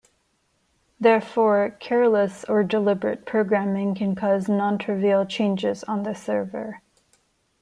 Therefore, careless or deliberate programming can cause non-trivial changes on the server.